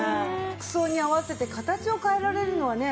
服装に合わせて形を変えられるのはね